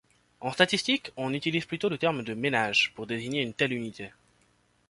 En statistiques, on utilise plutôt le terme de ménage pour désigner une telle unité.